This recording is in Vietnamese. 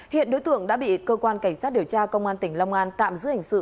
hiện đối tượng đã bị cơ quan cảnh sát điều tra công an tỉnh long an tạm giữ hình sự